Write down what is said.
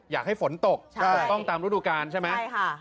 อยากให้ฝนตกใช่ต้องตามรูปดูการณ์ใช่ไหมใช่ค่ะ